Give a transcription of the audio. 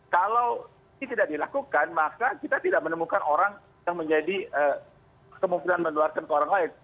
kalau ini tidak dilakukan maka kita tidak menemukan orang yang menjadi kemungkinan menularkan ke orang lain